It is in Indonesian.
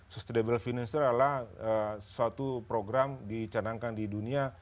sustainable finance itu adalah suatu program dicanangkan di dunia